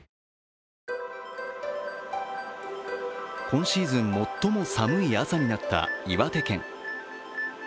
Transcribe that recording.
今シーズン最も寒い朝になった岩手県。